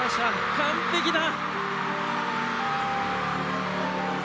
完璧だ！